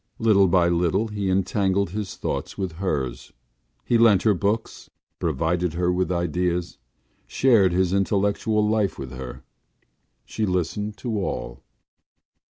Little by little he entangled his thoughts with hers. He lent her books, provided her with ideas, shared his intellectual life with her. She listened to all.